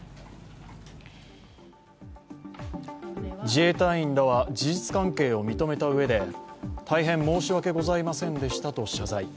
自衛隊員らは、事実関係を認めたうえで大変申し訳ございませんでしたと謝罪。